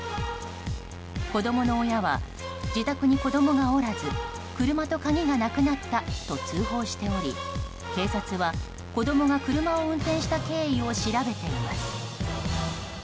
子供の親は自宅に子供がおらず車と鍵がなくなったと通報しており警察は子供が車を運転した経緯を調べています。